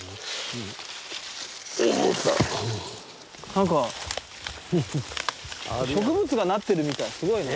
なんか植物がなってるみたいすごいね。